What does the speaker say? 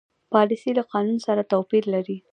پالیسي له قانون سره توپیر لري.